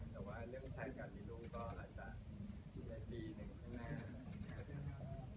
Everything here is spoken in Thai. แต่ว่าเรื่องแผ่นการรู้รู้ก็หลังจากในปีหนึ่งข้างหน้าครับ